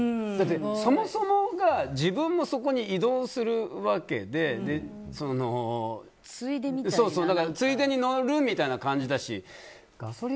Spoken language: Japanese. そもそもが自分もそこに移動するわけでついでに乗る？みたいな感じだし。